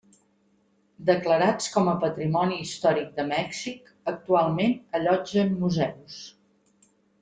Declarats com a patrimoni històric de Mèxic, actualment allotgen museus.